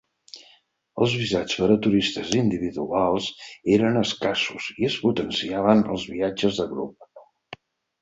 Els visats per a turistes individuals eren escassos i es potenciaven els viatges de grup.